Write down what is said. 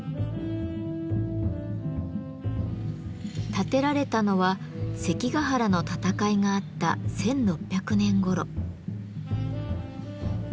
建てられたのは関ヶ原の戦いがあった１６００年ごろ。